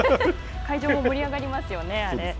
会場も盛り上がりますよね。